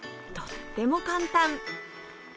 とっても簡単！